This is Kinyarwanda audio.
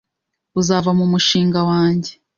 uzava mu mushinga wanjye